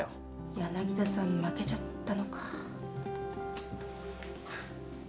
柳田さん負けちゃったのか。